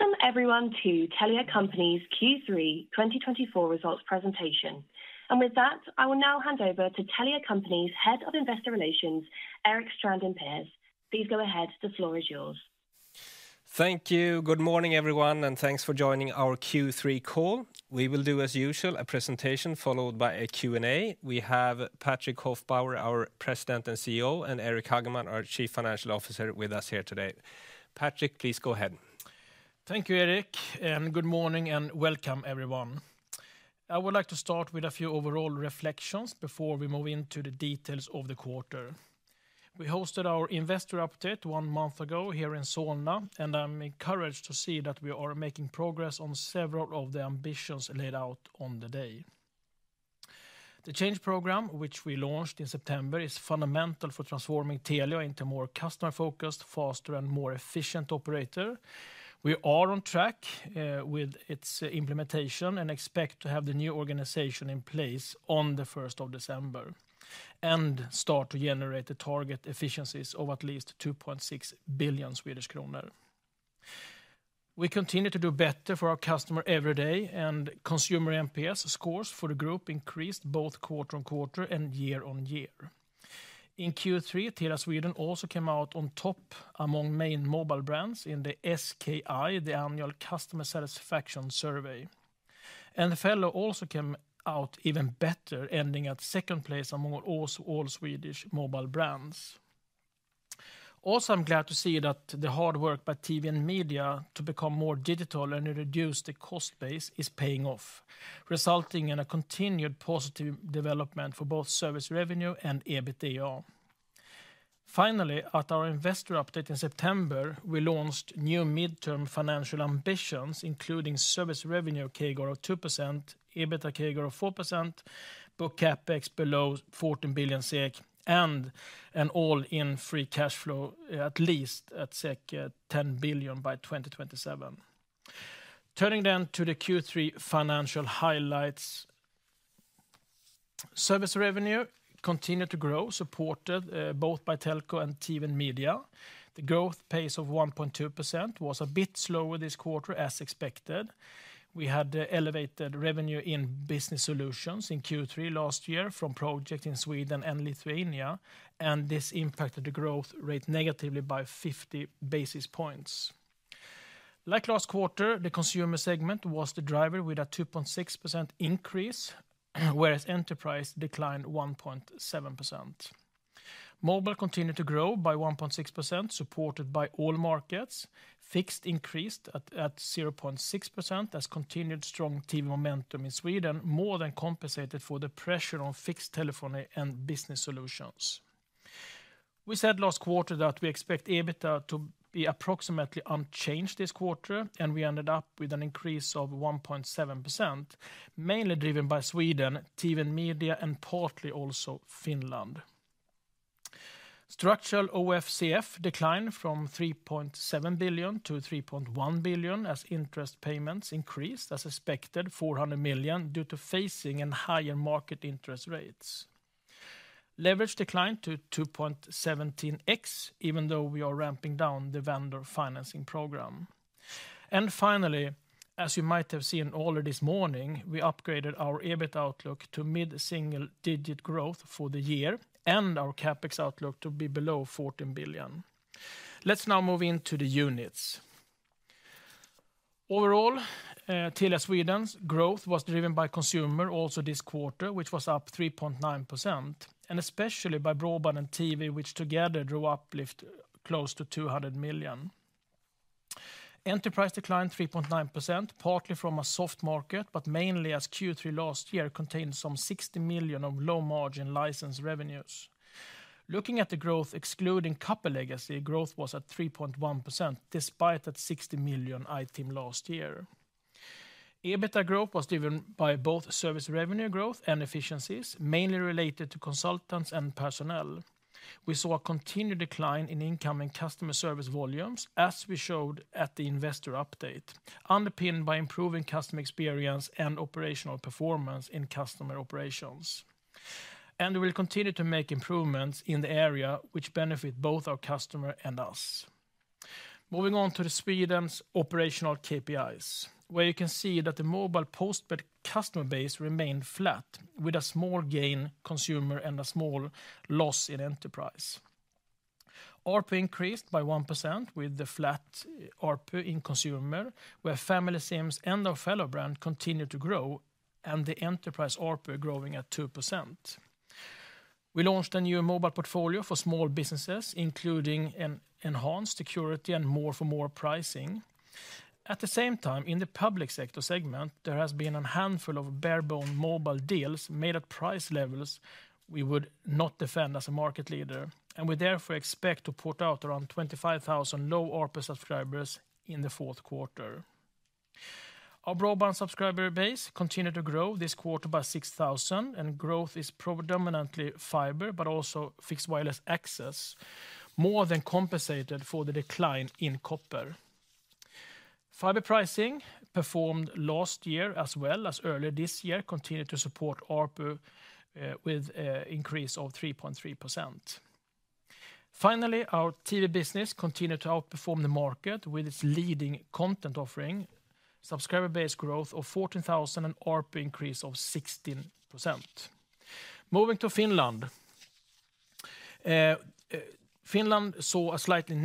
Welcome everyone to Telia Company's Q3 2024 Results Presentation. And with that, I will now hand over to Telia Company's Head of Investor Relations, Erik Strandin Pers. Please go ahead. The floor is yours. Thank you. Good morning, everyone, and thanks for joining our Q3 call. We will do, as usual, a presentation, followed by a Q&A. We have Patrik Hofbauer, our President and CEO, and Eric Hageman, our Chief Financial Officer, with us here today. Patrik, please go ahead. Thank you, Eric, and good morning, and welcome everyone. I would like to start with a few overall reflections before we move into the details of the quarter. We hosted our Investor Update one month ago here in Solna, and I'm encouraged to see that we are making progress on several of the ambitions laid out on the day. The change program, which we launched in September, is fundamental for transforming Telia into more customer-focused, faster, and more efficient operator. We are on track with its implementation and expect to have the new organization in place on the first of December, and start to generate the target efficiencies of at least 2.6 billion Swedish kronor. We continue to do better for our customer every day, and consumer NPS scores for the group increased both quarter-on-quarter and year on year. In Q3, Telia Sweden also came out on top among main mobile brands in the SKI, the annual Customer Satisfaction Survey. And Fello also came out even better, ending at second place among all, all Swedish mobile brands. Also, I'm glad to see that the hard work by TV and Media to become more digital and reduce the cost base is paying off, resulting in a continued positive development for both service revenue and EBITDA. Finally, at our investor update in September, we launched new midterm financial ambitions, including service revenue CAGR of 2%, EBITDA CAGR of 4%, book CapEx below 14 billion SEK, and an all-in free cash flow, at least at 10 billion by 2027. Turning then to the Q3 financial highlights. Service revenue continued to grow, supported both by Telco and TV and Media. The growth pace of 1.2% was a bit slower this quarter, as expected. We had elevated revenue in business solutions in Q3 last year from project in Sweden and Lithuania, and this impacted the growth rate negatively by 50 basis points. Like last quarter, the consumer segment was the driver with a 2.6% increase, whereas enterprise declined 1.7%. Mobile continued to grow by 1.6%, supported by all markets. Fixed increased at zero point six percent, as continued strong TV momentum in Sweden more than compensated for the pressure on fixed telephony and business solutions. We said last quarter that we expect EBITDA to be approximately unchanged this quarter, and we ended up with an increase of 1.7%, mainly driven by Sweden, TV and Media, and partly also Finland. Structural OFCF declined from 3.7 billion-3.1 billion, as interest payments increased, as expected, 400 million, due to refinancing and higher market interest rates. Leverage declined to 2.17x, even though we are ramping down the vendor financing program. And finally, as you might have seen earlier this morning, we upgraded our EBIT outlook to mid-single digit growth for the year and our CapEx outlook to be below 14 billion. Let's now move into the units. Overall, Telia Sweden's growth was driven by consumer also this quarter, which was up 3.9%, and especially by broadband and TV, which together drove uplift close to 200 million. Enterprise declined 3.9%, partly from a soft market, but mainly as Q3 last year contained some 60 million of low-margin license revenues. Looking at the growth, excluding copper legacy, growth was at 3.1%, despite that 60 million item last year. EBITDA growth was driven by both service revenue growth and efficiencies, mainly related to consultants and personnel. We saw a continued decline in incoming customer service volumes, as we showed at the investor update, underpinned by improving customer experience and operational performance in customer operations. And we'll continue to make improvements in the area which benefit both our customer and us. Moving on to the Sweden's operational KPIs, where you can see that the mobile post-paid customer base remained flat, with a small gain consumer and a small loss in enterprise. ARPU increased by 1% with the flat ARPU in consumer, where Family SIMs and our Fello brand continued to grow, and the enterprise ARPU growing at 2%. We launched a new mobile portfolio for small businesses, including an enhanced security and more for more pricing. At the same time, in the public sector segment, there has been a handful of bare-bones mobile deals made at price levels we would not defend as a market leader, and we therefore expect to put out around 25,000 low ARPU subscribers in the fourth quarter. Our broadband subscriber base continued to grow this quarter by 6,000, and growth is predominantly fiber, but also fixed wireless access, more than compensated for the decline in copper. Fiber pricing performed last year as well as earlier this year, continued to support ARPU, with an increase of 3.3%. Finally, our TV business continued to outperform the market with its leading content offering, subscriber base growth of 14,000, and ARPU increase of 16%. Moving to Finland. Finland saw a slightly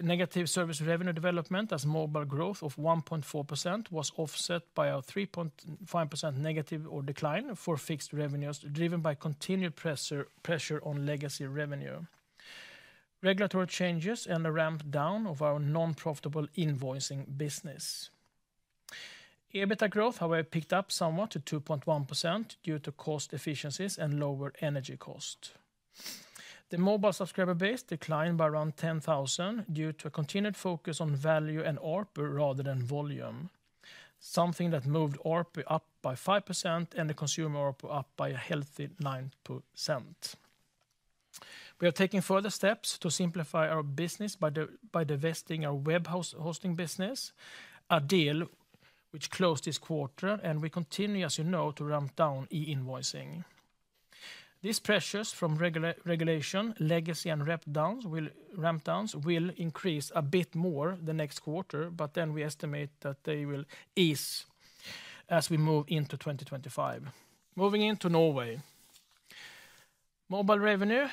negative service revenue development as mobile growth of 1.4% was offset by a 3.5% negative or decline for fixed revenues, driven by continued pressure on legacy revenue, regulatory changes, and the ramp down of our non-profitable invoicing business. EBITDA growth, however, picked up somewhat to 2.1% due to cost efficiencies and lower energy costs. The mobile subscriber base declined by around 10,000 due to a continued focus on value and ARPU rather than volume, something that moved ARPU up by 5% and the consumer ARPU up by a healthy 9%. We are taking further steps to simplify our business by divesting our web hosting business, a deal which closed this quarter, and we continue, as you know, to ramp down e-invoicing. These pressures from regulation, legacy, and ramp downs will increase a bit more the next quarter, but then we estimate that they will ease as we move into twenty twenty-five. Moving into Norway. Mobile revenue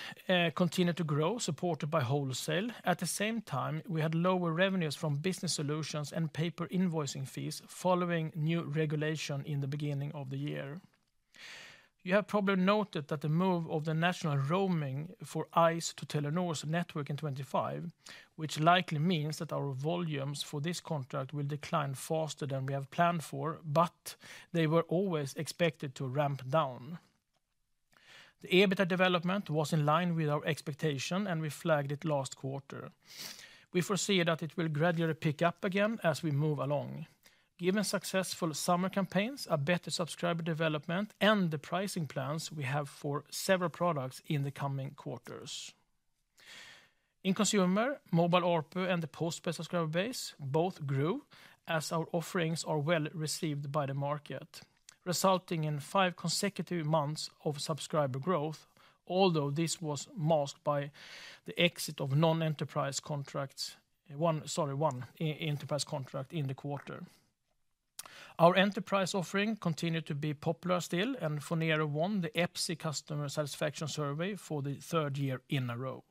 continued to grow, supported by wholesale. At the same time, we had lower revenues from business solutions and paper invoicing fees following new regulation in the beginning of the year. You have probably noted that the move of the national roaming for Ice to Telenor's network in twenty-five, which likely means that our volumes for this contract will decline faster than we have planned for, but they were always expected to ramp down. The EBITDA development was in line with our expectation, and we flagged it last quarter. We foresee that it will gradually pick up again as we move along. Given successful summer campaigns, a better subscriber development, and the pricing plans we have for several products in the coming quarters. In consumer, mobile ARPU and the postpay subscriber base both grew as our offerings are well received by the market, resulting in five consecutive months of subscriber growth, although this was masked by the exit of non-enterprise contracts. Sorry, one enterprise contract in the quarter. Our enterprise offering continued to be popular still, and Phonero won the EPSI Customer Satisfaction Survey for the third year in a row.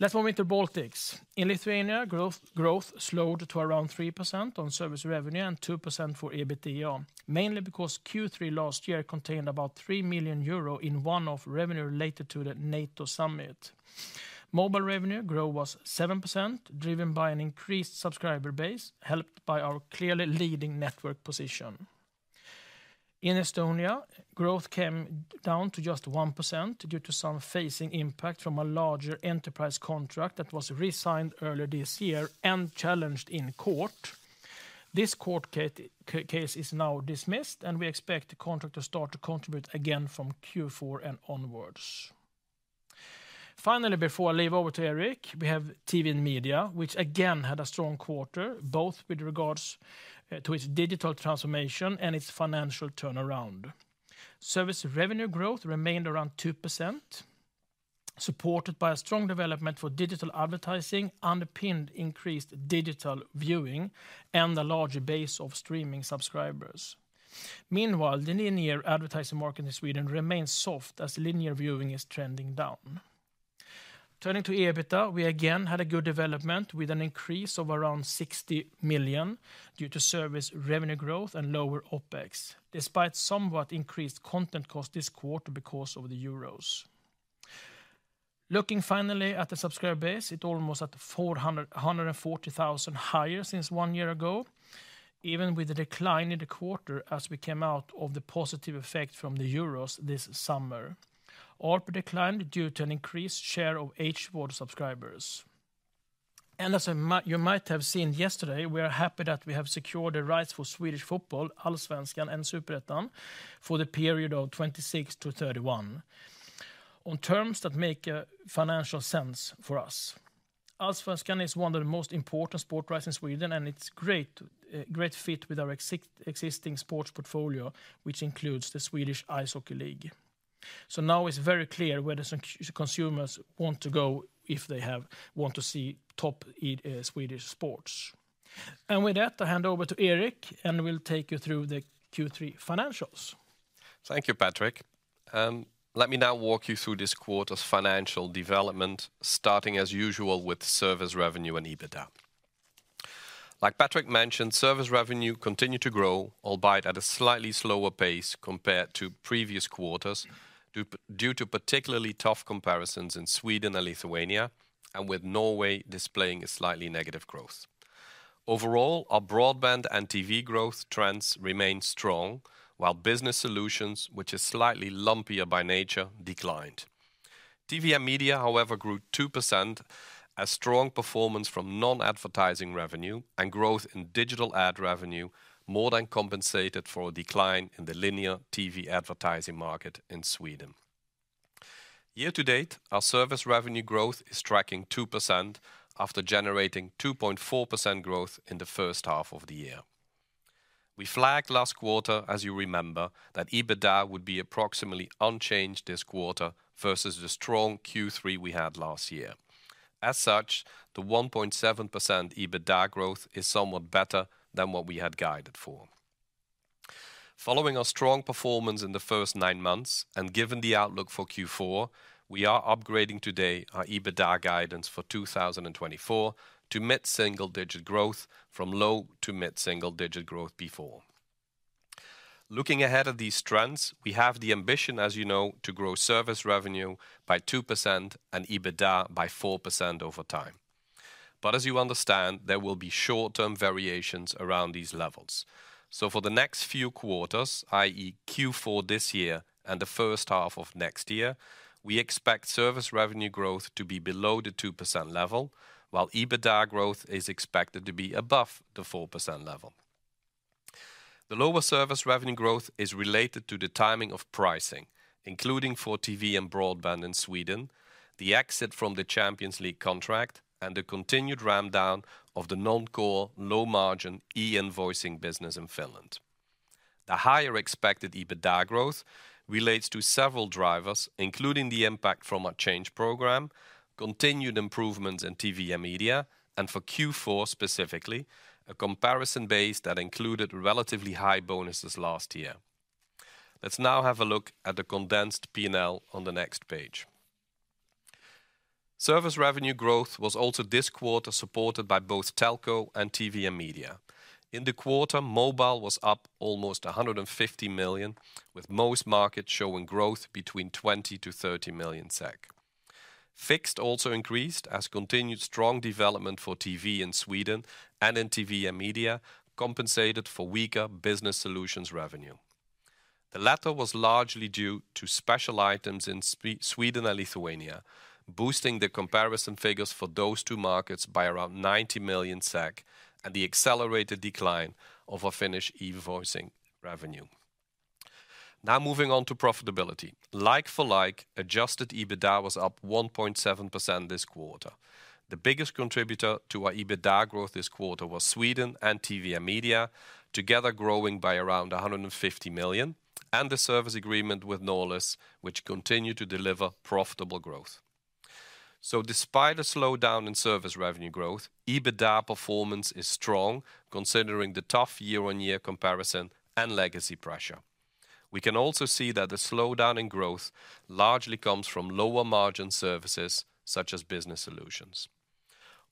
Let's move into Baltics. In Lithuania, growth slowed to around 3% on service revenue and 2% for EBITDA, mainly because Q3 last year contained about 3 million euro in one-off revenue related to the NATO summit. Mobile revenue growth was 7%, driven by an increased subscriber base, helped by our clearly leading network position. In Estonia, growth came down to just 1% due to some phasing impact from a larger enterprise contract that was re-signed earlier this year and challenged in court. This court case is now dismissed, and we expect the contract to start to contribute again from Q4 and onwards. Finally, before I leave over to Eric, we have TV and Media, which again had a strong quarter, both with regards to its digital transformation and its financial turnaround. Service revenue growth remained around 2%, supported by a strong development for digital advertising, underpinned increased digital viewing, and a larger base of streaming subscribers. Meanwhile, the linear advertising market in Sweden remains soft as linear viewing is trending down. Turning to EBITDA, we again had a good development with an increase of around 60 million due to service revenue growth and lower OpEx, despite somewhat increased content cost this quarter because of the Euros. Looking finally at the subscriber base, it's almost at 440,000 higher since one year ago, even with the decline in the quarter as we came out of the positive effect from the Euros this summer. ARPU declined due to an increased share of HVOD subscribers. As you might have seen yesterday, we are happy that we have secured the rights for Swedish football, Allsvenskan and Superettan, for the period of 2026 to 2031, on terms that make financial sense for us. Allsvenskan is one of the most important sport rights in Sweden, and it's great, great fit with our existing sports portfolio, which includes the Swedish Ice Hockey League. So now it's very clear where the consumers want to go if they want to see top Swedish sports. And with that, I hand over to Eric, and we'll take you through the Q3 financials. Thank you, Patrick. Let me now walk you through this quarter's financial development, starting as usual with service revenue and EBITDA. Like Patrick mentioned, service revenue continued to grow, albeit at a slightly slower pace compared to previous quarters, due to particularly tough comparisons in Sweden and Lithuania, and with Norway displaying a slightly negative growth. Overall, our broadband and TV growth trends remain strong, while business solutions, which is slightly lumpier by nature, declined. TV and Media, however, grew 2%, as strong performance from non-advertising revenue and growth in digital ad revenue more than compensated for a decline in the linear TV advertising market in Sweden. Year to date, our service revenue growth is tracking 2% after generating 2.4% growth in the first half of the year.... We flagged last quarter, as you remember, that EBITDA would be approximately unchanged this quarter versus the strong Q3 we had last year. As such, the 1.7% EBITDA growth is somewhat better than what we had guided for. Following our strong performance in the first nine months, and given the outlook for Q4, we are upgrading today our EBITDA guidance for 2024 to mid-single digit growth from low to mid-single digit growth before. Looking ahead at these trends, we have the ambition, as you know, to grow service revenue by 2% and EBITDA by 4% over time. But as you understand, there will be short-term variations around these levels. For the next few quarters, i.e., Q4 this year and the first half of next year, we expect service revenue growth to be below the 2% level, while EBITDA growth is expected to be above the 4% level. The lower service revenue growth is related to the timing of pricing, including for TV and broadband in Sweden, the exit from the Champions League contract, and the continued ramp down of the non-core, low-margin e-invoicing business in Finland. The higher expected EBITDA growth relates to several drivers, including the impact from our change program, continued improvements in TV and media, and for Q4, specifically, a comparison base that included relatively high bonuses last year. Let's now have a look at the condensed P&L on the next page. Service revenue growth was also this quarter, supported by both Telco and TV and media. In the quarter, mobile was up almost 150 million, with most markets showing growth between 20 million-30 million SEK. Fixed also increased as continued strong development for TV in Sweden and in TV and Media compensated for weaker business solutions revenue. The latter was largely due to special items in Sweden and Lithuania, boosting the comparison figures for those two markets by around 90 million SEK, and the accelerated decline of our Finnish e-invoicing revenue. Now, moving on to profitability. Like for like, adjusted EBITDA was up 1.7% this quarter. The biggest contributor to our EBITDA growth this quarter was Sweden and TV and Media, together growing by around 150 million, and the service agreement with Norlys, which continued to deliver profitable growth. Despite a slowdown in service revenue growth, EBITDA performance is strong, considering the tough year-on-year comparison and legacy pressure. We can also see that the slowdown in growth largely comes from lower margin services such as business solutions.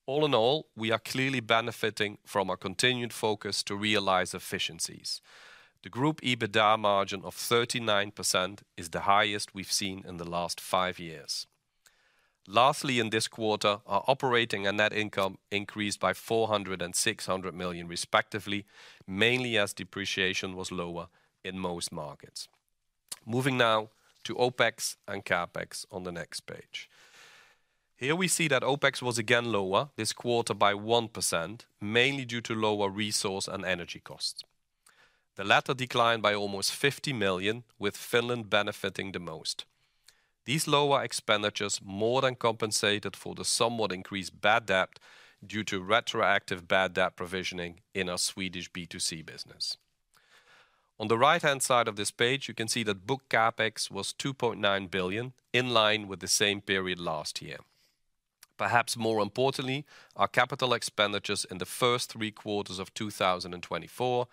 All in all, we are clearly benefiting from our continued focus to realize efficiencies. The group EBITDA margin of 39% is the highest we've seen in the last five years. Lastly, in this quarter, our operating and net income increased by 400 million and 600 million, respectively, mainly as depreciation was lower in most markets. Moving now to OpEx and CapEx on the next page. Here we see that OpEx was again lower this quarter by 1%, mainly due to lower resource and energy costs. The latter declined by almost 50 million, with Finland benefiting the most. These lower expenditures more than compensated for the somewhat increased bad debt due to retroactive bad debt provisioning in our Swedish B2C business. On the right-hand side of this page, you can see that book CapEx was 2.9 billion, in line with the same period last year. Perhaps more importantly, our capital expenditures in the first three quarters of 2024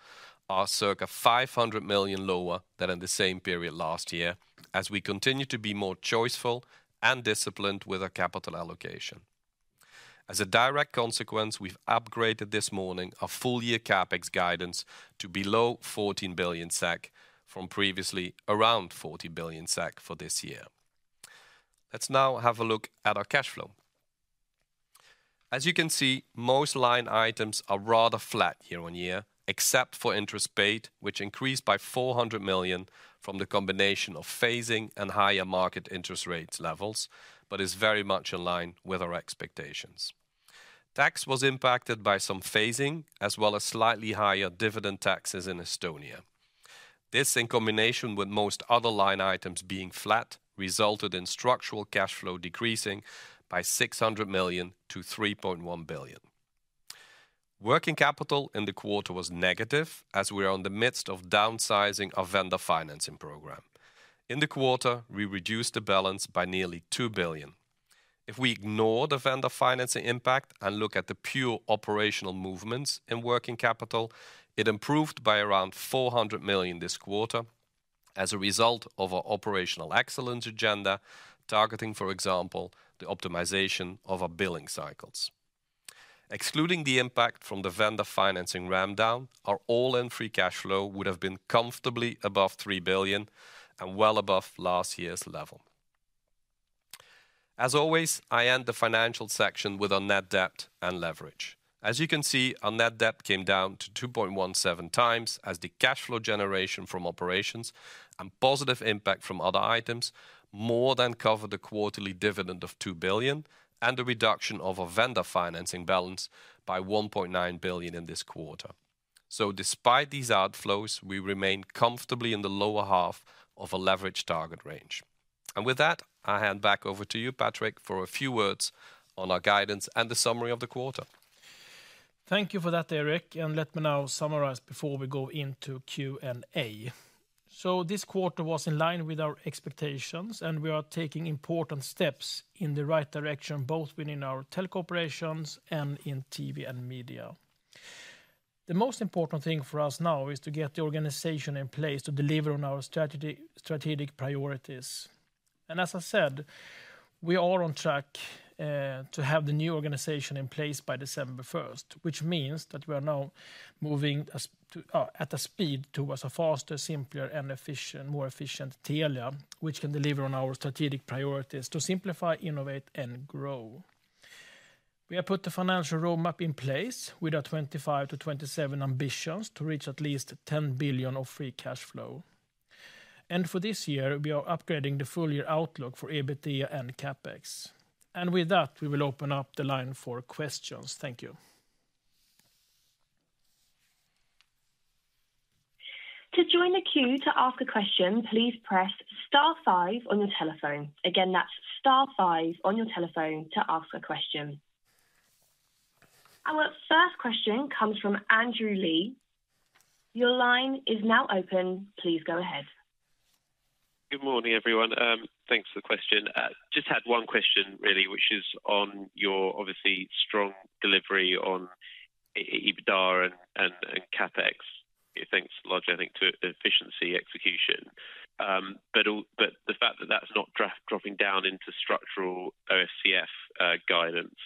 are circa 500 million lower than in the same period last year, as we continue to be more choiceful and disciplined with our capital allocation. As a direct consequence, we've upgraded this morning our full-year CapEx guidance to below 14 billion SEK, from previously around 14 billion SEK for this year. Let's now have a look at our cash flow. As you can see, most line items are rather flat year on year, except for interest paid, which increased by 400 million from the combination of phasing and higher market interest rates levels, but is very much in line with our expectations. Tax was impacted by some phasing, as well as slightly higher dividend taxes in Estonia. This, in combination with most other line items being flat, resulted in structural cash flow decreasing by 600 million-3.1 billion. Working capital in the quarter was negative, as we are in the midst of downsizing our vendor financing program. In the quarter, we reduced the balance by nearly 2 billion. If we ignore the vendor financing impact and look at the pure operational movements in working capital, it improved by around 400 million this quarter as a result of our operational excellence agenda, targeting, for example, the optimization of our billing cycles. Excluding the impact from the vendor financing ramp down, our all-in free cash flow would have been comfortably above 3 billion and well above last year's level. As always, I end the financial section with our net debt and leverage. As you can see, our net debt came down to 2.17 times, as the cash flow generation from operations and positive impact from other items more than covered the quarterly dividend of 2 billion and the reduction of our vendor financing balance by 1.9 billion in this quarter. So despite these outflows, we remain comfortably in the lower half of a leverage target range. And with that, I hand back over to you, Patrik, for a few words on our guidance and the summary of the quarter. Thank you for that, Eric, and let me now summarize before we go into Q&A. So this quarter was in line with our expectations, and we are taking important steps in the right direction, both within our telco operations and in TV and media. The most important thing for us now is to get the organization in place to deliver on our strategy, strategic priorities. And as I said, we are on track to have the new organization in place by December first, which means that we are now moving at a speed towards a faster, simpler, and more efficient Telia, which can deliver on our strategic priorities: to simplify, innovate, and grow. We have put the financial roadmap in place with our twenty-five to twenty-seven ambitions to reach at least 10 billion of free cash flow. For this year, we are upgrading the full year outlook for EBITDA and CapEx. With that, we will open up the line for questions. Thank you. To join the queue to ask a question, please press star five on your telephone. Again, that's star five on your telephone to ask a question. Our first question comes from Andrew Lee. Your line is now open. Please go ahead. Good morning, everyone. Thanks for the question. Just had one question, really, which is on your obviously strong delivery on EBITDA and CapEx, thanks largely, I think, to efficiency execution. But the fact that that's not dropping down into structural OFCF guidance.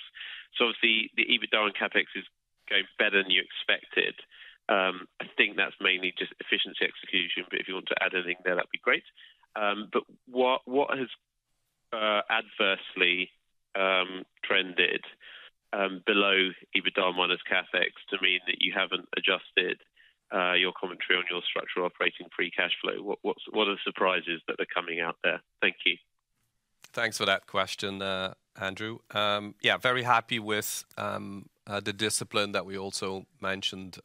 So obviously, the EBITDA and CapEx is going better than you expected. I think that's mainly just efficiency execution, but if you want to add anything there, that'd be great. But what has adversely trended below EBITDA minus CapEx to mean that you haven't adjusted your commentary on your structural operating free cash flow? What are the surprises that are coming out there? Thank you. Thanks for that question, Andrew. Yeah, very happy with the discipline that we also mentioned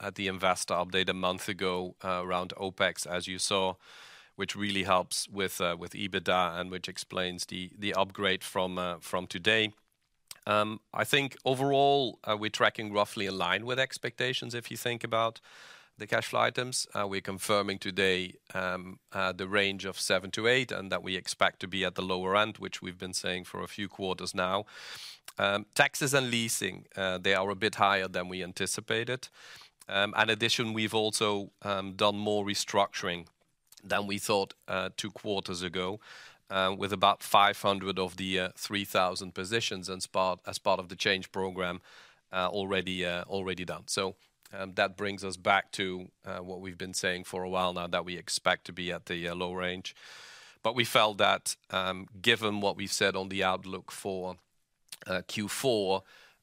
at the investor update a month ago around OpEx, as you saw, which really helps with EBITDA and which explains the upgrade from today. I think overall, we're tracking roughly in line with expectations, if you think about the cash flow items. We're confirming today the range of seven to eight, and that we expect to be at the lower end, which we've been saying for a few quarters now. Taxes and leasing, they are a bit higher than we anticipated. In addition, we've also done more restructuring than we thought two quarters ago, with about 500 of the 3,000 positions as part of the change program already done. So, that brings us back to what we've been saying for a while now, that we expect to be at the low range. But we felt that, given what we've said on the outlook for Q4,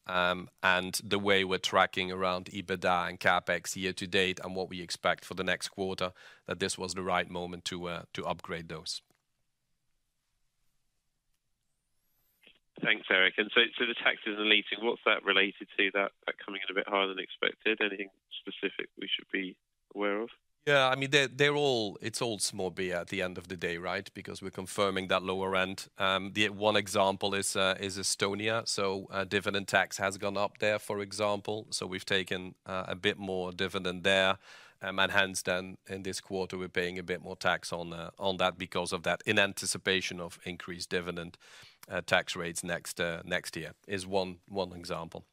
and the way we're tracking around EBITDA and CapEx year to date and what we expect for the next quarter, that this was the right moment to upgrade those. Thanks, Eric. And so the taxes and leasing, what's that related to, coming in a bit higher than expected? Anything specific we should be aware of? Yeah, I mean, they're all, it's all small beer at the end of the day, right? Because we're confirming that lower end. The one example is Estonia. So, dividend tax has gone up there, for example, so we've taken a bit more dividend there. And hence, then, in this quarter, we're paying a bit more tax on that because of that in anticipation of increased dividend tax rates next year, is one example.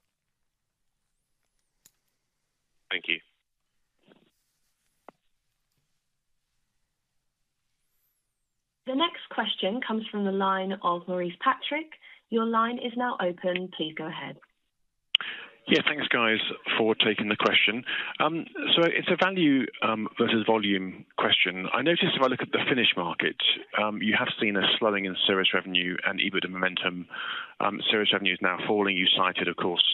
Thank you. The next question comes from the line of Maurice Patrick. Your line is now open. Please go ahead. Yeah, thanks guys, for taking the question. So it's a value versus volume question. I noticed if I look at the Finnish market, you have seen a slowing in service revenue and EBITDA momentum. Service revenue is now falling. You cited, of course,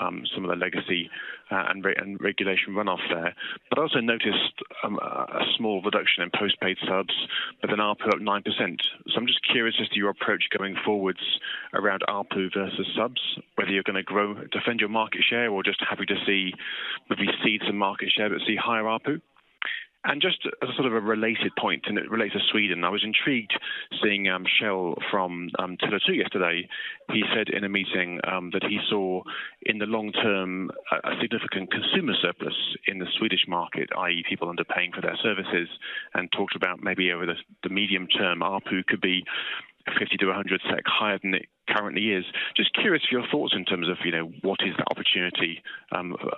some of the legacy and regulatory runoff there. But I also noticed a small reduction in postpaid subs with an ARPU up 9%. So I'm just curious as to your approach going forwards around ARPU versus subs, whether you're gonna grow, defend your market share, or just happy to see whether we cede some market share, but see higher ARPU? Just as sort of a related point, it relates to Sweden. I was intrigued seeing Kjell from Tele2 yesterday. He said in a meeting, that he saw in the long term, a significant consumer surplus in the Swedish market, i.e., people underpaying for their services, and talked about maybe over the medium term, ARPU could be 50-100 SEK higher than it currently is. Just curious your thoughts in terms of, you know, what is the opportunity,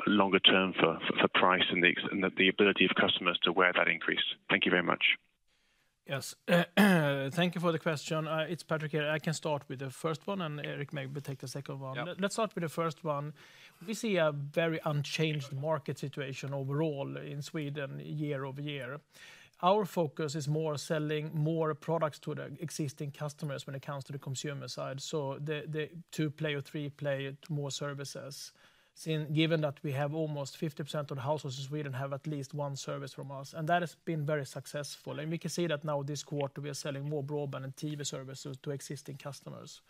longer term for price and the ability of customers to wear that increase? Thank you very much. Yes. Thank you for the question. It's Patrik here. I can start with the first one, and Eric maybe take the second one. Yeah. Let's start with the first one. We see a very unchanged market situation overall in Sweden year-over-year. Our focus is more selling more products to the existing customers when it comes to the consumer side. So the two-player, three-player, more services. Since given that we have almost 50% of the households in Sweden have at least one service from us, and that has been very successful, and we can see that now this quarter, we are selling more broadband and TV services to existing customers.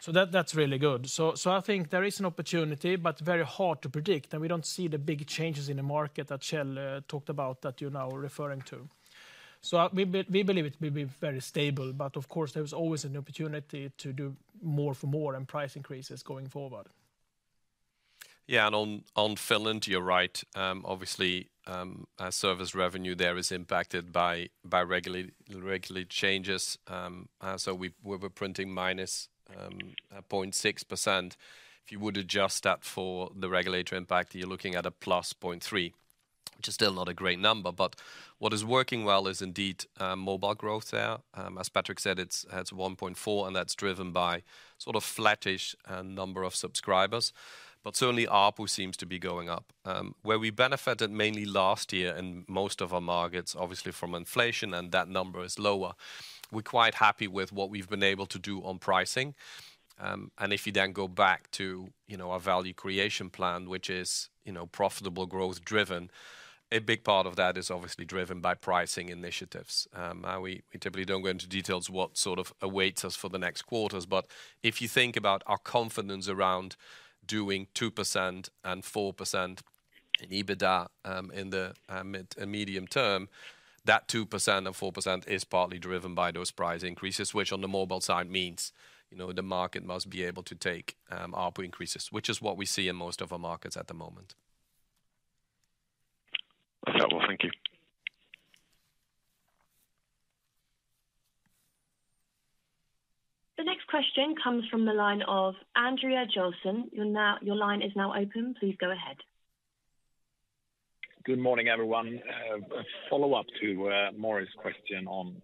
So that, that's really good. So I think there is an opportunity, but very hard to predict, and we don't see the big changes in the market that Kjell talked about that you're now referring to. We believe it will be very stable, but of course, there's always an opportunity to do more for more and price increases going forward. Yeah, and on Finland, you're right. Obviously, our service revenue there is impacted by regulatory changes. So we're printing minus 0.6%. If you would adjust that for the regulatory impact, you're looking at a plus 0.3%, which is still not a great number. But what is working well is indeed mobile growth there. As Patrick said, it's at 1.4, and that's driven by sort of flattish number of subscribers. But certainly, ARPU seems to be going up. Where we benefited mainly last year in most of our markets, obviously from inflation, and that number is lower. We're quite happy with what we've been able to do on pricing. And if you then go back to, you know, our value creation plan, which is, you know, profitable growth driven, a big part of that is obviously driven by pricing initiatives. We typically don't go into details what sort of awaits us for the next quarters, but if you think about our confidence around doing 2% and 4% in EBITDA, in the mid and medium term, that 2% and 4% is partly driven by those price increases, which on the mobile side means, you know, the market must be able to take ARPU increases, which is what we see in most of our markets at the moment. Thank you. The next question comes from the line of Andreas Joelsson. Your line is now open. Please go ahead. Good morning, everyone. A follow-up to Maurice's question on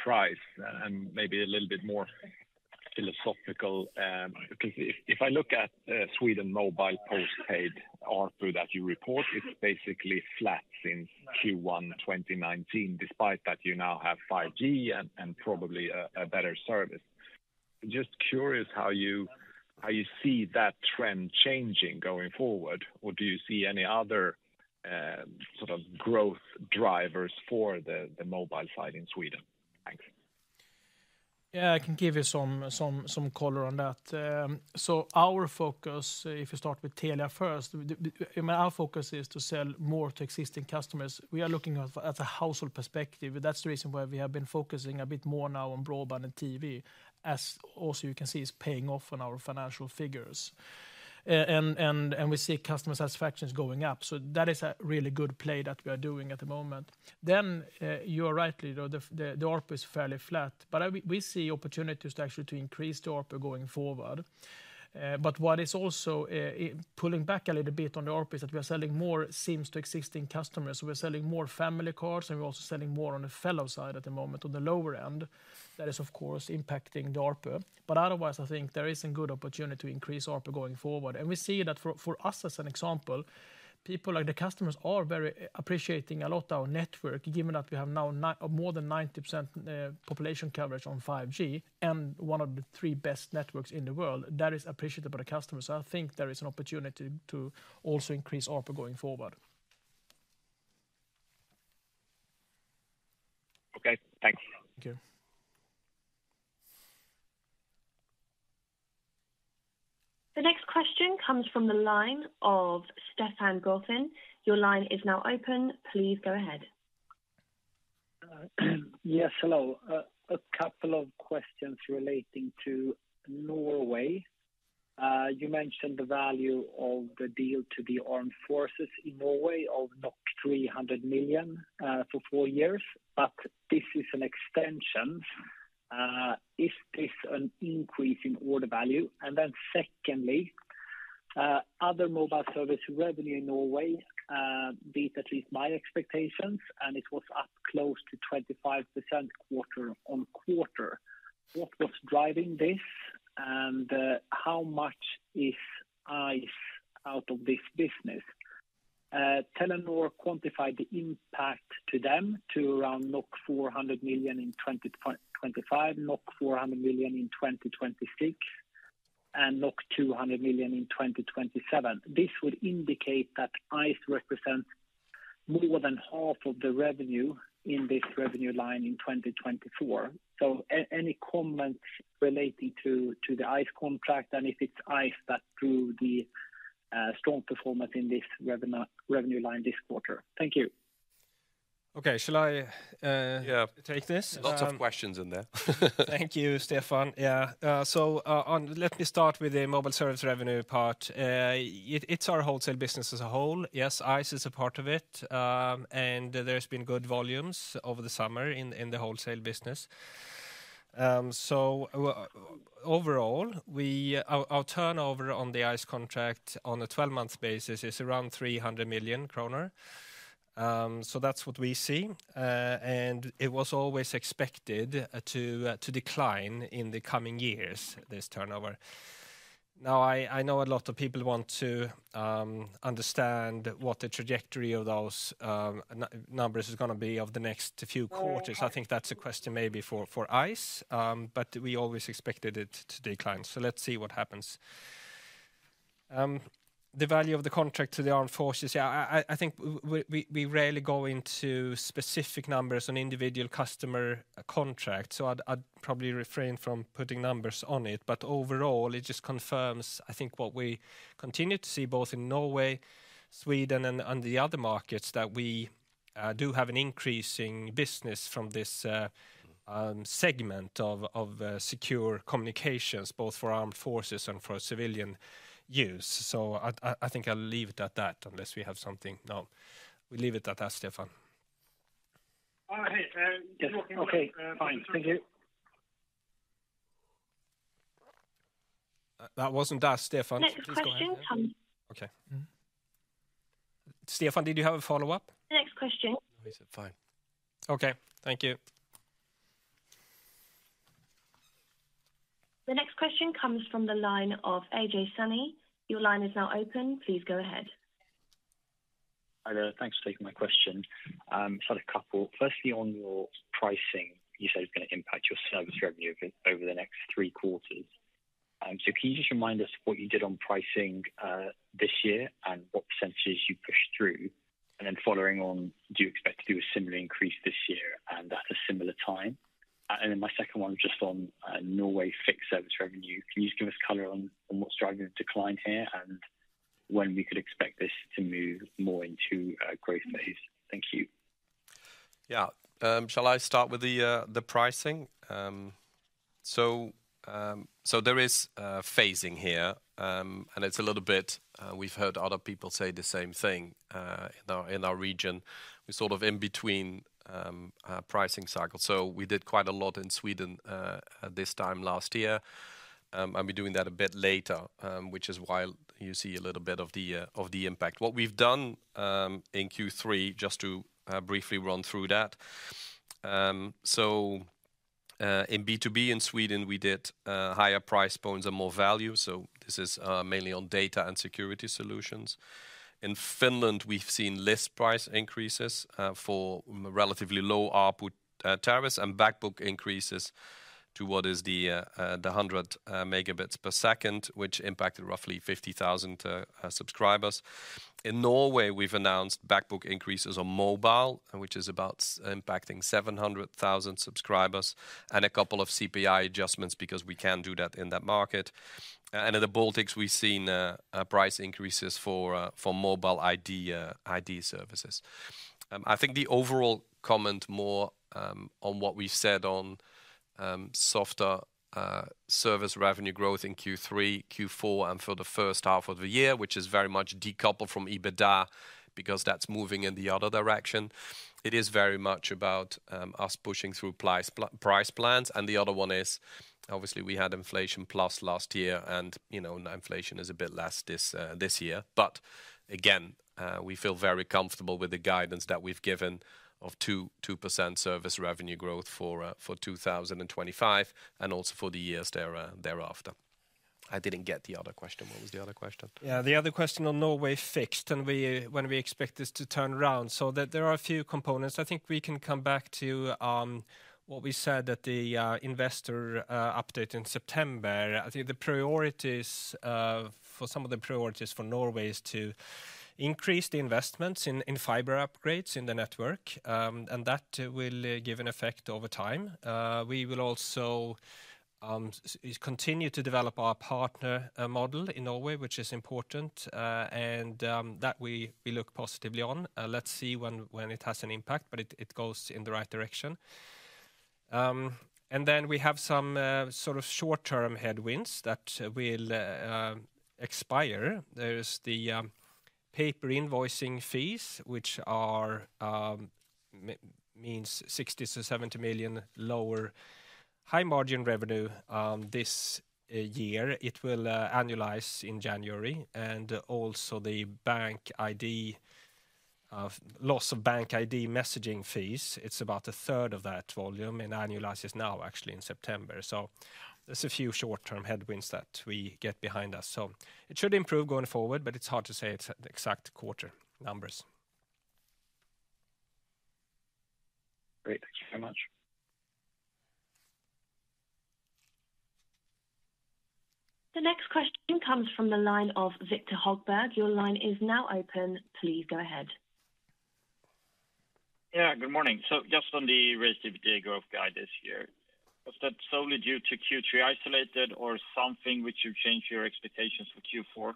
price, and maybe a little bit more philosophical. Because if I look at Sweden Mobile postpaid ARPU that you report, it's basically flat since Q1 2019, despite that you now have 5G and probably a better service. Just curious how you see that trend changing going forward, or do you see any other sort of growth drivers for the mobile side in Sweden? Thanks. Yeah, I can give you some color on that. So our focus, if you start with Telia first, I mean, our focus is to sell more to existing customers. We are looking at a household perspective, and that's the reason why we have been focusing a bit more now on broadband and TV, as also you can see, is paying off on our financial figures. And we see customer satisfaction is going up, so that is a really good play that we are doing at the moment. Then, you are right, you know, the ARPU is fairly flat, but we see opportunities to actually increase the ARPU going forward. But what is also pulling back a little bit on the ARPU is that we are selling more SIMs to existing customers. We're selling more family cards, and we're also selling more on the Fello side at the moment. On the lower end, that is, of course, impacting the ARPU. But otherwise, I think there is a good opportunity to increase ARPU going forward. And we see that for us, as an example, people, like the customers, are very appreciating a lot our network, given that we have now more than 90% population coverage on 5G and one of the three best networks in the world. That is appreciated by the customers. So I think there is an opportunity to also increase ARPU going forward. Okay, thanks. Thank you. The next question comes from the line of Stefan Gauffin. Your line is now open. Please go ahead. Yes, hello. A couple of questions relating to Norway. You mentioned the value of the deal to the armed forces in Norway of 300 million for four years, but this is an extension. Is this an increase in order value? And then secondly, other mobile service revenue in Norway beat at least my expectations, and it was up close to 25% quarter-on-quarter. What was driving this, and how much is ICE out of this business? Telenor quantified the impact to them to around 400 million in 2025, 400 million in 2026, and 200 million in 2027. This would indicate that ICE represents more than half of the revenue in this revenue line in 2024. Any comments relating to the ICE contract, and if it's ICE that drove the strong performance in this revenue line this quarter? Thank you. Okay. Shall I- Yeah... take this? Lots of questions in there. Thank you, Stefan. Yeah, so. Let me start with the mobile service revenue part. It, it's our wholesale business as a whole. Yes, ICE is a part of it, and there's been good volumes over the summer in, in the wholesale business. So overall, our turnover on the ICE contract on a twelve-month basis is around 300 million kroner. So that's what we see, and it was always expected to, to decline in the coming years, this turnover. Now, I, I know a lot of people want to, understand what the trajectory of those, numbers is gonna be of the next few quarters. I think that's a question maybe for, for ICE, but we always expected it to decline. So let's see what happens. The value of the contract to the armed forces. Yeah, I think we rarely go into specific numbers on individual customer contracts, so I'd probably refrain from putting numbers on it. But overall, it just confirms, I think, what we continue to see, both in Norway, Sweden, and the other markets, that we do have an increasing business from this segment of secure communications, both for armed forces and for civilian use. So I think I'll leave it at that, unless we have something. No, we leave it at that, Stefan. Oh, hey. Yes. Okay, fine. Thank you. That wasn't us, Stefan. Next question comes- Okay. Mm-hmm. Stefan, did you have a follow-up? The next question. He said fine. Okay. Thank you. The next question comes from the line of Ajay Soni. Your line is now open. Please go ahead. Hi there. Thanks for taking my question. Just had a couple. Firstly, on your pricing, you said it's gonna impact your service revenue over the next three quarters. So can you just remind us what you did on pricing this year and what percentages you pushed through? And then following on, do you expect to do a similar increase this year and at a similar time? And then my second one is just on Norway fixed service revenue. Can you just give us color on what's driving the decline here, and when we could expect this to move more into a growth phase? Thank you. Yeah. Shall I start with the pricing? So there is phasing here, and it's a little bit... We've heard other people say the same thing in our region. We're sort of in between pricing cycles. So we did quite a lot in Sweden at this time last year. And we're doing that a bit later, which is why you see a little bit of the impact. What we've done in Q3, just to briefly run through that. So in B2B in Sweden, we did higher price points and more value, so this is mainly on data and security solutions. In Finland, we've seen less price increases for relatively low ARPU tariffs, and backbook increases to what is the 100 megabits per second, which impacted roughly 50,000 subscribers. In Norway, we've announced backbook increases on mobile, which is about impacting 700,000 subscribers, and a couple of CPI adjustments because we can do that in that market. And in the Baltics, we've seen price increases for mobile ID services. I think the overall comment more on what we've said on softer service revenue growth in Q3, Q4, and for the first half of the year, which is very much decoupled from EBITDA, because that's moving in the other direction. It is very much about us pushing through price plans. And the other one is, obviously, we had inflation plus last year, and, you know, inflation is a bit less this year. But again, we feel very comfortable with the guidance that we've given of 2% service revenue growth for two thousand and twenty-five, and also for the years thereafter. I didn't get the other question. What was the other question? Yeah, the other question on Norway fixed, and when we expect this to turn around. So there are a few components. I think we can come back to what we said at the investor update in September. I think the priorities for some of the priorities for Norway is to increase the investments in fiber upgrades in the network, and that will give an effect over time. We will also continue to develop our partner model in Norway, which is important, and that we look positively on. Let's see when it has an impact, but it goes in the right direction. And then we have some sort of short-term headwinds that will expire. There is the paper invoicing fees, which means SEK 60 million-SEK 70 million lower high-margin revenue this year. It will annualize in January. And also the BankID loss of BankID messaging fees. It's about a third of that volume, and annualizes now, actually, in September. So there's a few short-term headwinds that we get behind us. So it should improve going forward, but it's hard to say it's the exact quarter numbers. Great, thank you very much. The next question comes from the line of Viktor Högberg. Your line is now open. Please go ahead. Yeah, good morning. So just on the EBITDA growth guide this year, was that solely due to Q3 isolated or something which you've changed your expectations for Q4 as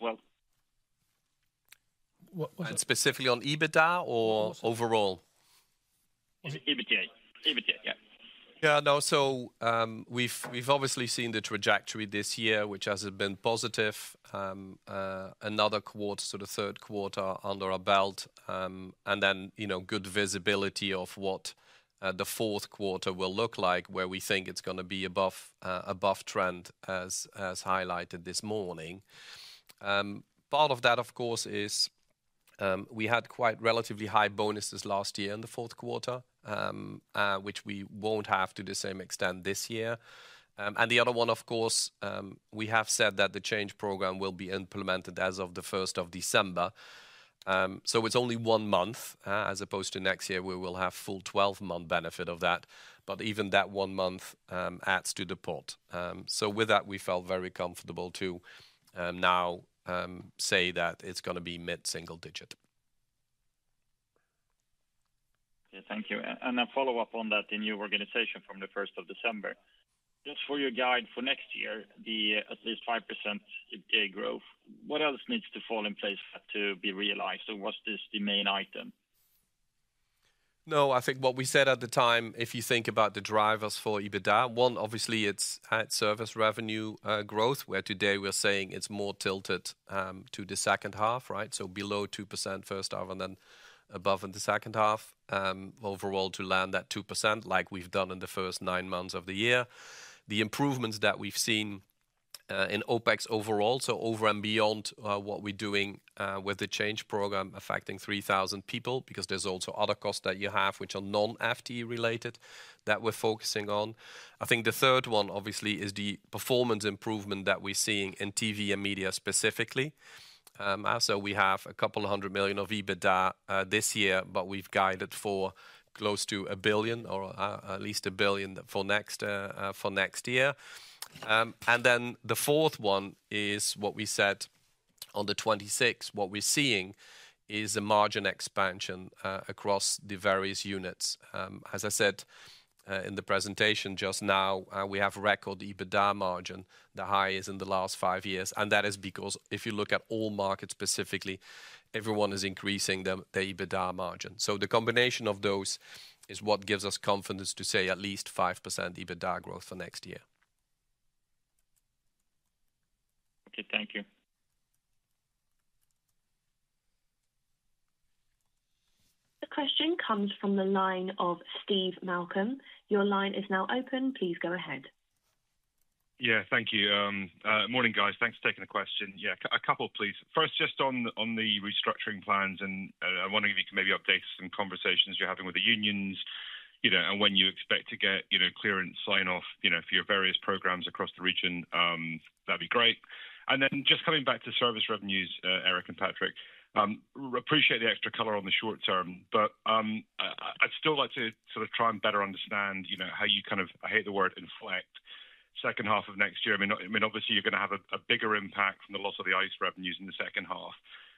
well? Whatnot, specifically on EBITDA or overall? EBITDA. EBITDA, yeah. Yeah, no, so, we've obviously seen the trajectory this year, which has been positive. Another quarter, so the third quarter under our belt, and then, you know, good visibility of what the fourth quarter will look like, where we think it's gonna be above above trend, as highlighted this morning. Part of that, of course, is we had quite relatively high bonuses last year in the fourth quarter, which we won't have to the same extent this year, and the other one, of course, we have said that the change program will be implemented as of the 1st of December, so it's only one month, as opposed to next year, where we'll have full twelve-month benefit of that, but even that one month adds to the pot. So with that, we felt very comfortable to now say that it's gonna be mid-single digit. Okay, thank you. And a follow-up on that, the new organization from the first of December. Just for your guide for next year, the at least 5% EBITDA growth. What else needs to fall in place for that to be realized, or what's this the main item? No, I think what we said at the time, if you think about the drivers for EBITDA, one, obviously, it's service revenue growth, where today we are saying it's more tilted to the second half, right? So below 2% first half and then above in the second half. Overall, to land that 2%, like we've done in the first nine months of the year. The improvements that we've seen in OpEx overall, so over and beyond what we're doing with the change program affecting 3,000 people, because there's also other costs that you have, which are non-FTE related, that we're focusing on. I think the third one, obviously, is the performance improvement that we're seeing in TV and media specifically. We have a couple of hundred million of EBITDA this year, but we've guided for close to a billion or at least a billion for next year. The fourth one is what we said on the twenty-sixth. What we're seeing is a margin expansion across the various units. As I said in the presentation just now, we have record EBITDA margin, the highest in the last five years, and that is because if you look at all markets specifically, everyone is increasing the EBITDA margin. The combination of those is what gives us confidence to say at least 5% EBITDA growth for next year. Okay, thank you. The question comes from the line of Steve Malcolm. Your line is now open. Please go ahead. Yeah, thank you. Morning, guys. Thanks for taking the question. Yeah, a couple, please. First, just on the restructuring plans, and I'm wondering if you can maybe update us on some conversations you're having with the unions, you know, and when you expect to get, you know, clearance sign-off, you know, for your various programs across the region. That'd be great. And then just coming back to service revenues, Eric and Patrik, appreciate the extra color on the short term, but I'd still like to sort of try and better understand, you know, how you kind of, I hate the word inflect, second half of next year. I mean, obviously, you're gonna have a bigger impact from the loss of the Ice revenues in the second half.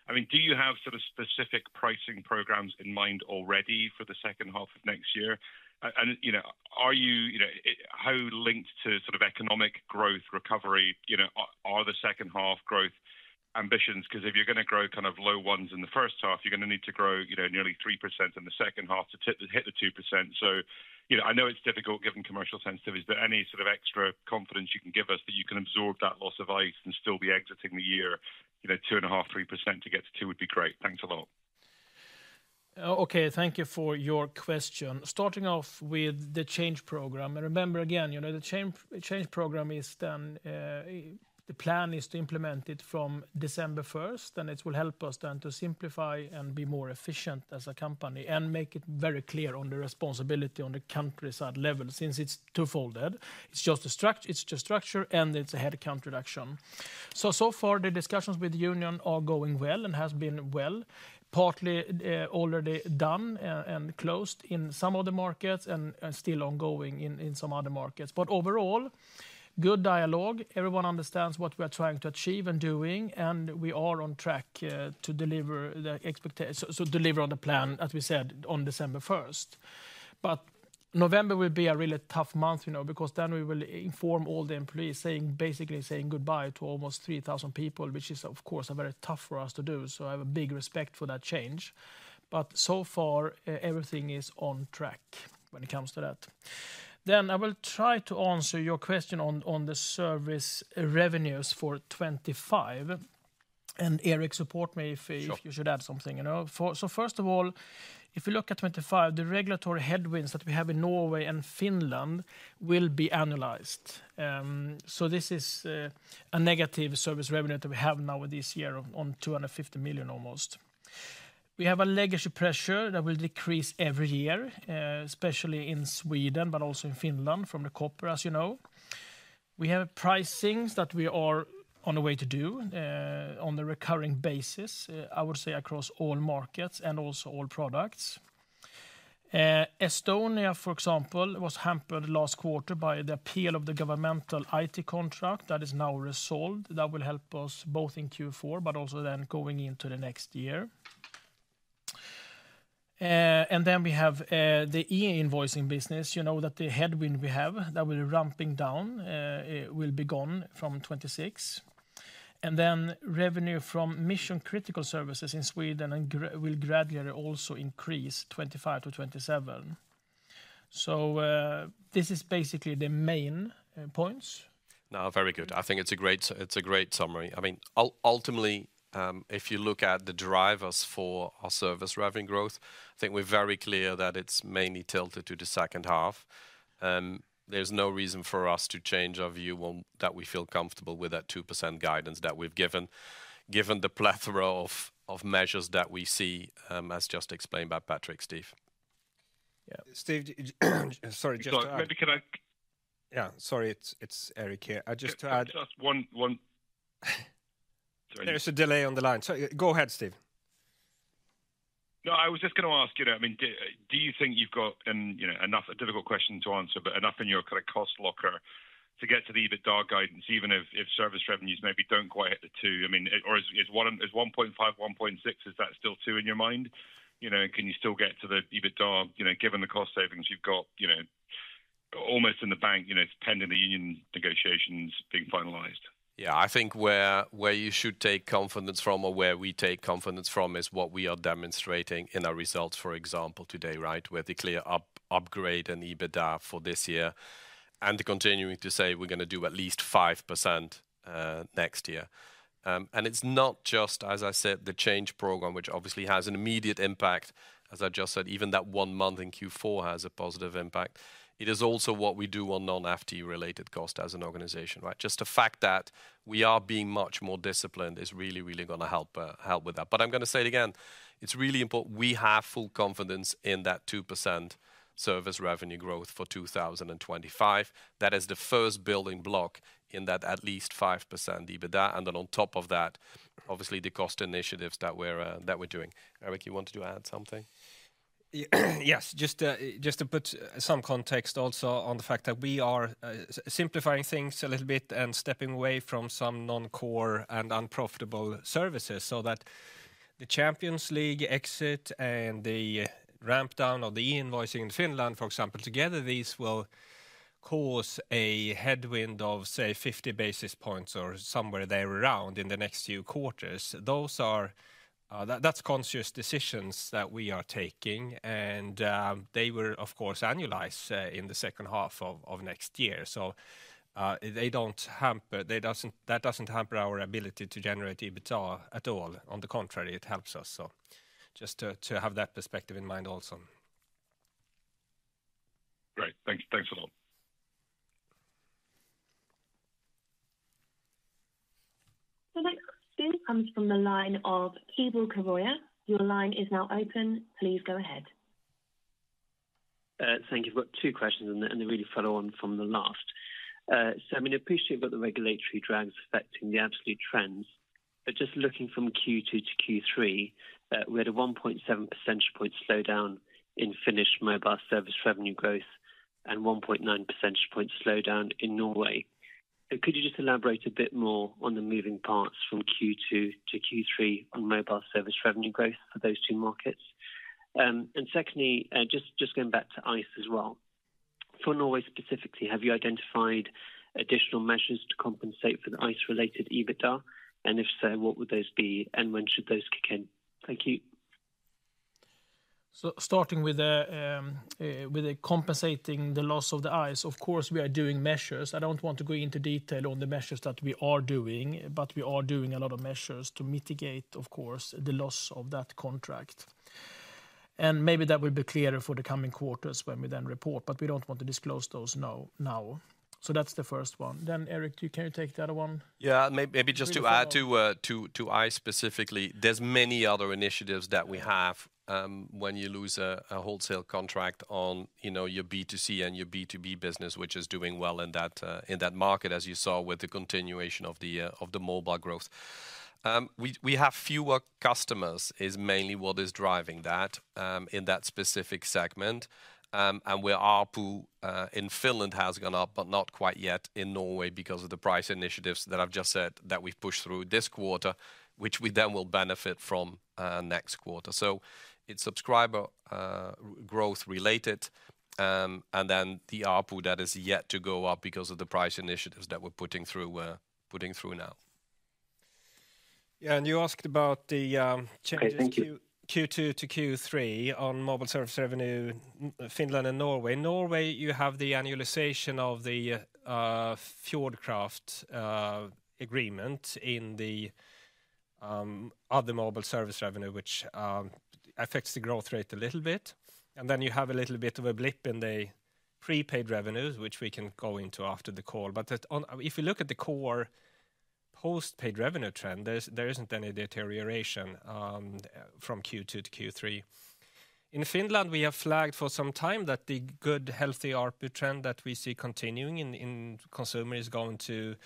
I mean, do you have sort of specific pricing programs in mind already for the second half of next year? And you know, how linked to sort of economic growth recovery, you know, are the second half growth ambitions? 'Cause if you're gonna grow kind of low ones in the first half, you're gonna need to grow, you know, nearly 3% in the second half to hit the 2%. So, you know, I know it's difficult given commercial sensitivity, is there any sort of extra confidence you can give us that you can absorb that loss of ICE and still be exiting the year, you know, 2.5%-3% to get to 2% would be great. Thanks a lot. Okay, thank you for your question. Starting off with the change program, and remember, again, you know, the change program is then the plan is to implement it from December first, and it will help us then to simplify and be more efficient as a company and make it very clear on the responsibility on the country side level, since it's twofold. It's just structure and it's a headcount reduction. So, so far, the discussions with the union are going well and has been well, partly already done and closed in some of the markets and still ongoing in some other markets. But overall, good dialogue. Everyone understands what we're trying to achieve and doing, and we are on track to deliver so deliver on the plan, as we said, on December first. But November will be a really tough month, you know, because then we will inform all the employees, saying basically goodbye to almost 3,000 people, which is, of course, a very tough for us to do. So I have a big respect for that change. But so far, everything is on track when it comes to that. Then I will try to answer your question on the service revenues for 2025. And Eric, support me if you should add something, you know? So first of all, if you look at twenty-five, the regulatory headwinds that we have in Norway and Finland will be analyzed. So this is a negative service revenue that we have now with this year on two hundred and fifty million almost. We have a legacy pressure that will decrease every year, especially in Sweden, but also in Finland, from the copper, as you know. We have pricings that we are on the way to do, on a recurring basis, I would say, across all markets and also all products. Estonia, for example, was hampered last quarter by the appeal of the governmental IT contract that is now resolved, that will help us both in Q4 but also then going into the next year. And then we have the e-invoicing business, you know, that the headwind we have that we're ramping down. It will be gone from 2026. And then revenue from mission-critical services in Sweden will gradually also increase 2025-2027. This is basically the main points. No, very good. I think it's a great summary. I mean, ultimately, if you look at the drivers for our service revenue growth, I think we're very clear that it's mainly tilted to the second half. There's no reason for us to change our view on that. We feel comfortable with that 2% guidance that we've given, given the plethora of measures that we see, as just explained by Patrick, Steve. Yeah. Steve, sorry, just to add- Maybe can I- Sorry, it's Eric here. I just to add- Just one There's a delay on the line. So go ahead, Steve. No, I was just gonna ask you, I mean, do you think you've got, you know, enough, a difficult question to answer, but enough in your kinda cost locker to get to the EBITDA guidance, even if service revenues maybe don't quite hit the two? I mean, or is one point five, one point six, is that still two in your mind? You know, can you still get to the EBITDA, you know, given the cost savings you've got, you know, almost in the bank, you know, pending the union negotiations being finalized? Yeah, I think where you should take confidence from or where we take confidence from is what we are demonstrating in our results, for example, today, right? With the clear upgrade in EBITDA for this year, and continuing to say we're gonna do at least 5% next year. And it's not just, as I said, the change program, which obviously has an immediate impact. As I just said, even that one month in Q4 has a positive impact. It is also what we do on non-FTT related cost as an organization, right? Just the fact that we are being much more disciplined is really, really gonna help with that. But I'm gonna say it again, it's really important. We have full confidence in that 2% service revenue growth for 2025. That is the first building block in that at least 5% EBITDA, and then on top of that, obviously, the cost initiatives that we're doing. Erik, you wanted to add something? Yes, just to put some context also on the fact that we are simplifying things a little bit and stepping away from some non-core and unprofitable services, so that the Champions League exit and the ramp down of the e-invoicing in Finland, for example, together, these will cause a headwind of, say, 50 basis points or somewhere there around in the next few quarters. Those are conscious decisions that we are taking, and they were, of course, annualized in the second half of next year. So that doesn't hamper our ability to generate EBITDA at all. On the contrary, it helps us. So just to have that perspective in mind also. Great. Thank you. Thanks a lot. The next question comes from the line of Keval Khiroya. Your line is now open. Please go ahead. Thank you. I've got two questions, and they really follow on from the last. So I mean, I appreciate about the regulatory drags affecting the absolute trends, but just looking from Q2 to Q3, we had a 1.7 percentage point slowdown in Finnish mobile service revenue growth and 1.9 percentage point slowdown in Norway. Could you just elaborate a bit more on the moving parts from Q2 to Q3 on mobile service revenue growth for those two markets? And secondly, just going back to Ice as well. For Norway, specifically, have you identified additional measures to compensate for the Ice-related EBITDA? And if so, what would those be, and when should those kick in? Thank you. Starting with compensating the loss of the ICE, of course, we are doing measures. I don't want to go into detail on the measures that we are doing, but we are doing a lot of measures to mitigate, of course, the loss of that contract. And maybe that will be clearer for the coming quarters when we then report, but we don't want to disclose those now. That's the first one. Eric, you can take the other one. Yeah, maybe just to add to ICE specifically, there's many other initiatives that we have, when you lose a wholesale contract on, you know, your B2C and your B2B business, which is doing well in that market, as you saw with the continuation of the mobile growth. We have fewer customers, is mainly what is driving that, in that specific segment, and where ARPU in Finland has gone up, but not quite yet in Norway because of the price initiatives that I've just said that we've pushed through this quarter, which we then will benefit from next quarter. So it's subscriber growth related, and then the ARPU that is yet to go up because of the price initiatives that we're putting through now. Yeah, and you asked about the changes- Thank you Q2 to Q3 on mobile service revenue, Finland and Norway. Norway, you have the annualization of the Fjordkraft agreement in the other mobile service revenue, which affects the growth rate a little bit. And then you have a little bit of a blip in the prepaid revenues, which we can go into after the call. But on, if you look at the core postpaid revenue trend, there's, there isn't any deterioration from Q2 to Q3. In Finland, we have flagged for some time that the good, healthy ARPU trend that we see continuing in consumer is going to,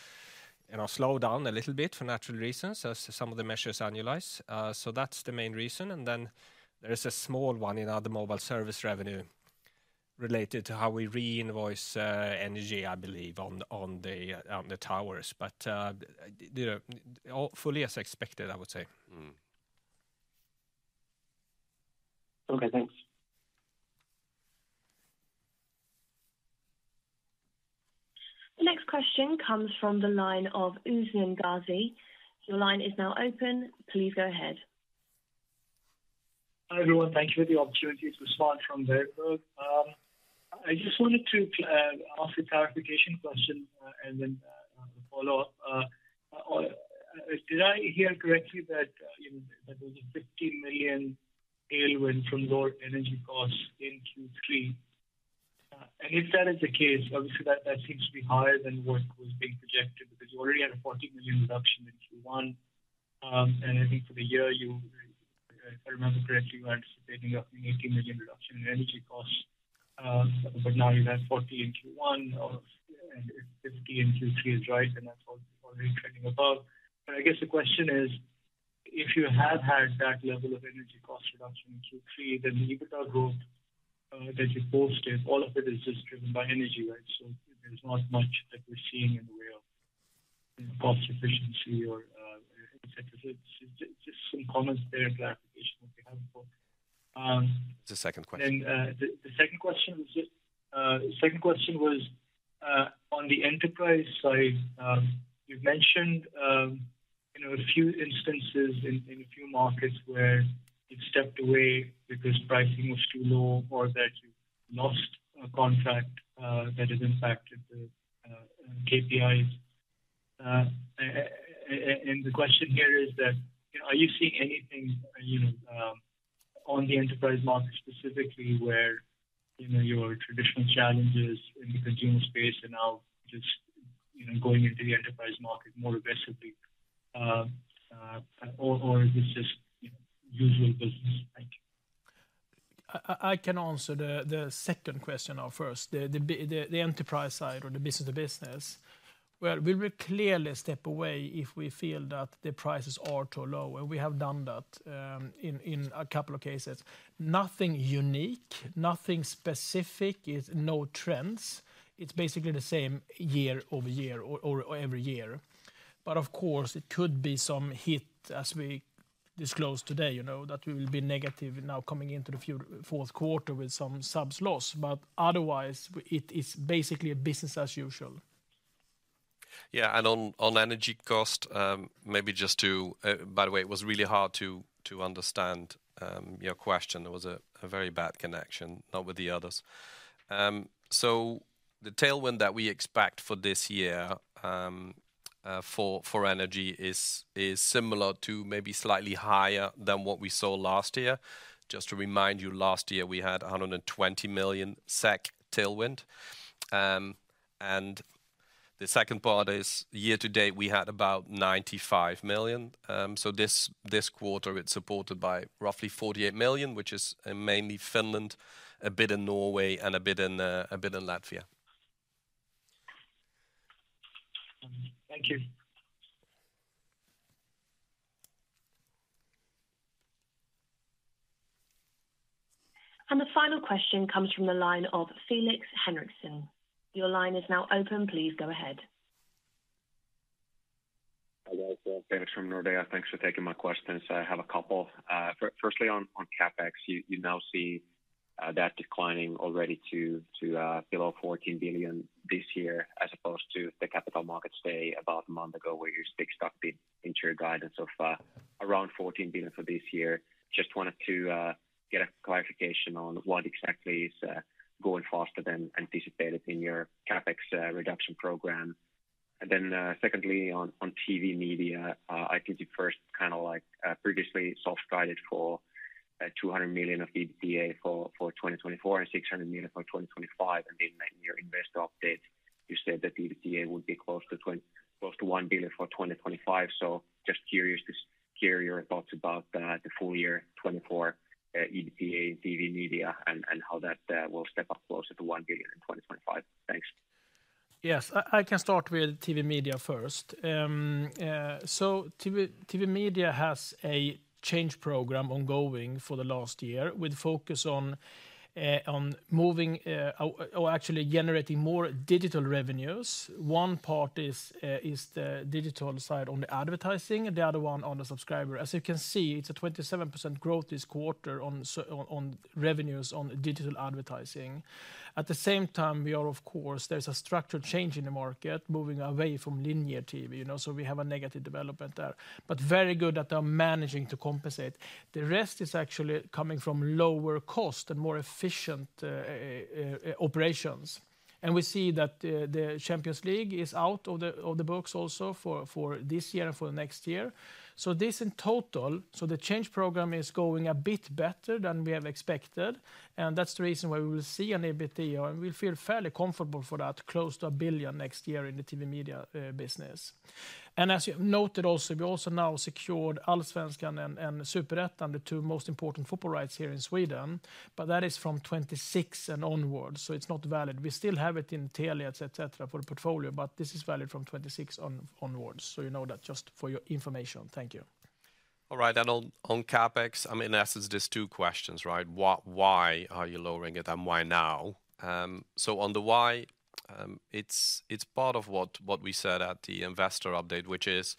you know, slow down a little bit for natural reasons as some of the measures annualize. So that's the main reason. And then there is a small one in other mobile service revenue related to how we re-invoice energy, I believe, on the towers. But you know, all fully as expected, I would say. Okay, thanks. The next question comes from the line of Usman Ghazi. Your line is now open. Please go ahead. Hi, everyone. Thank you for the opportunity to start from there. I just wanted to ask a clarification question, and then follow up. Did I hear correctly that you know that there was a 50 million tailwind from lower energy costs in Q3? And if that is the case, obviously, that seems to be higher than what was being projected, because you already had a 40 million reduction in Q1. And I think for the year, you, if I remember correctly, you were anticipating a 18 million reduction in energy costs. But now you have 40 in Q1 or 50 in Q3, is that right, and that's already trending above. But I guess the question is, if you have had that level of energy cost reduction in Q3, then the EBITDA growth that you posted, all of it is just driven by energy, right? So there's not much that we're seeing in the way of, you know, cost efficiency or et cetera. Just some comments there and clarification, if you have them. The second question. Then the second question was on the enterprise side. You've mentioned you know a few instances in a few markets where you've stepped away because pricing was too low or that you lost a contract that has impacted the KPIs. And the question here is, are you seeing anything you know on the enterprise market specifically where you know your traditional challenges in the consumer space are now just you know going into the enterprise market more aggressively? Or is this just you know usual business? Thank you. I can answer the second question now first, the enterprise side or the business to business. Well, we will clearly step away if we feel that the prices are too low, and we have done that, in a couple of cases. Nothing unique, nothing specific, it's no trends. It's basically the same year-over-year or every year. But of course, it could be some hit, as we disclosed today, you know, that we will be negative now coming into the fourth quarter with some subs loss. But otherwise, it is basically a business as usual. Yeah, and on energy cost, maybe just to. By the way, it was really hard to understand your question. There was a very bad connection, not with the others. So the tailwind that we expect for this year, for energy is similar to maybe slightly higher than what we saw last year. Just to remind you, last year, we had 120 million SEK tailwind. And the second part is, year to date, we had about 95 million. So this quarter, it's supported by roughly 48 million, which is mainly Finland, a bit in Norway, and a bit in Latvia. Thank you. The final question comes from the line of Felix Henriksson. Your line is now open. Please go ahead. Hi, guys. Felix from Nordea. Thanks for taking my questions. I have a couple. Firstly, on CapEx, you now see that declining already to below 14 billion this year, as opposed to the Capital Markets Day about a month ago, where you stuck to your guidance of around 14 billion for this year. Just wanted to get a clarification on what exactly is going faster than anticipated in your CapEx reduction program. And then, secondly, on TV media, I think you first kinda like previously soft guided for 200 million of EBITDA for 2024 and 600 million for 2025. And then in your investor update, you said that the EBITDA would be close to 1 billion for 2025. Just curious to hear your thoughts about the full year 2024 EBITDA TV media and how that will step up closer to one billion in 2025. Thanks. Yes, I can start with TV media first. So TV media has a change program ongoing for the last year, with focus on moving, or actually generating more digital revenues. One part is the digital side on the advertising, the other one on the subscriber. As you can see, it's a 27% growth this quarter on revenues on digital advertising. At the same time, of course, there's a structured change in the market moving away from linear TV, you know, so we have a negative development there, but very good that they are managing to compensate. The rest is actually coming from lower cost and more efficient operations. We see that the Champions League is out of the books also for this year and for the next year. So this in total, the change program is going a bit better than we have expected, and that's the reason why we will see an EBITDA, and we feel fairly comfortable for that, close to a billion next year in the TV media business. As you noted also, we also now secured Allsvenskan and Superettan, the two most important football rights here in Sweden, but that is from 2026 and onwards, so it's not valid. We still have it in Telia, et cetera, for the portfolio, but this is valid from 2026 onwards. You know that just for your information. Thank you. All right, and on CapEx, I mean, in essence, there's two questions, right? Why are you lowering it and why now? So on the why, it's part of what we said at the investor update, which is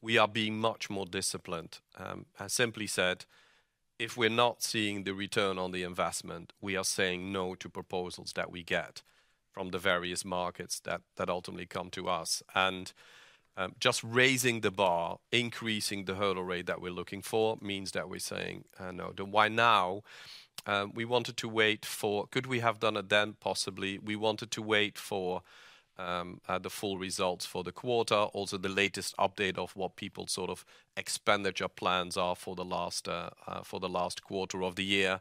we are being much more disciplined. I simply said, if we're not seeing the return on the investment, we are saying no to proposals that we get from the various markets that ultimately come to us. And just raising the bar, increasing the hurdle rate that we're looking for means that we're saying no. The why now, we wanted to wait for could we have done it then? Possibly. We wanted to wait for the full results for the quarter, also the latest update of what people sort of expenditure plans are for the last quarter of the year.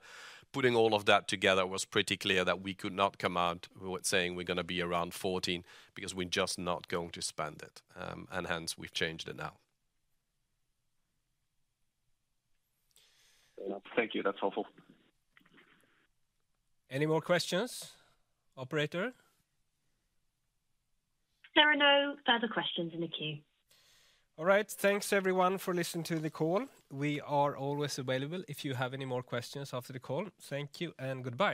Putting all of that together was pretty clear that we could not come out with saying we're gonna be around fourteen, because we're just not going to spend it, and hence we've changed it now. Thank you. That's helpful. Any more questions, operator? There are no further questions in the queue. All right. Thanks, everyone, for listening to the call. We are always available if you have any more questions after the call. Thank you and goodbye.